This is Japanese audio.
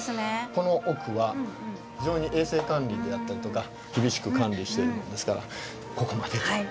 この奥は非常に衛生管理であったりとか厳しく管理しているもんですからここまでと。